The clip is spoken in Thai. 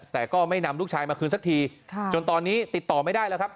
แต่ก็ไม่นำลูกชายมาคืนสักทีจนตอนนี้ติดต่อไม่ได้แล้วครับ